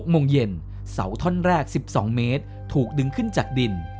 โมงเย็นเสาท่อนแรก๑๒เมตรถูกดึงขึ้นจากดิน